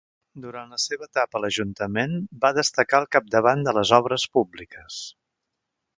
Durant la seva etapa a l'Ajuntament va destacar al capdavant de les obres públiques.